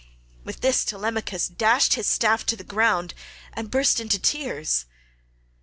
19 With this Telemachus dashed his staff to the ground and burst into tears.